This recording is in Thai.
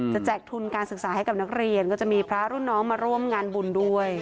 แจกทุนการศึกษาให้กับนักเรียนก็จะมีพระรุ่นน้องมาร่วมงานบุญด้วย